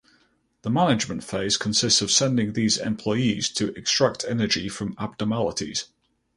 The management phase consists of sending these employees to extract energy from Abnormalities.